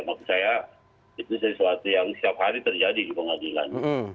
maksud saya itu sesuatu yang setiap hari terjadi di pengadilan